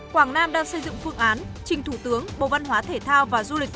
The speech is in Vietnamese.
quảng nam đang xây dựng phương án trình thủ tướng bộ văn hóa thể thao và du lịch